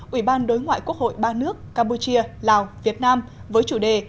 ủy ban đối ngoại quốc hội ba nước campuchia lào việt nam với chủ đề